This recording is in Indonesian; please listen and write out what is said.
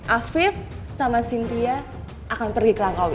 afif sama cynthia akan pergi ke langkawi